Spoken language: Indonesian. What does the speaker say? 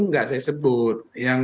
nggak saya sebut